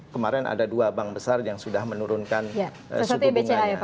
kemarin ada dua bank besar yang sudah menurunkan suku bunganya